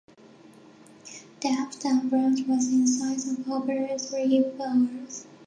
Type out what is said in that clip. The Uptown branch was in size over three floors.